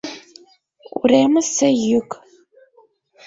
Уремысе йӱк.